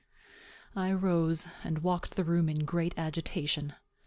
I rose, and walked the room in great agitation.